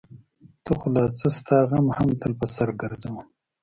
ته خو لا څه؛ ستا غم هم تل په سر ګرځوم.